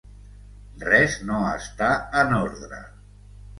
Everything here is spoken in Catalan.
Res no està en ordre.